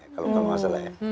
kalau ga masalah ya